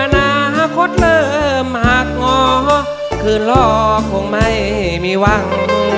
อนาคตเริ่มมากงอคือล่อคงไม่มีหวัง